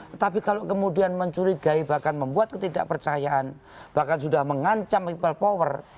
tetapi kalau kemudian mencurigai bahkan membuat ketidakpercayaan bahkan sudah mengancam people power